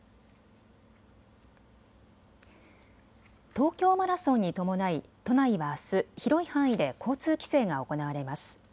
東京マラソンに伴い都内はあす、広い範囲で交通規制が行われます。